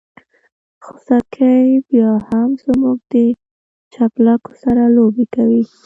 خوسکي بيا هم زموږ د چپلکو سره لوبې کوي.